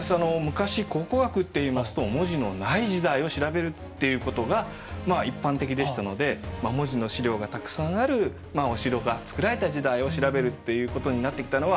昔考古学っていいますと文字のない時代を調べるっていうことが一般的でしたので文字の資料がたくさんあるまあお城が造られた時代を調べるっていうことになってきたのは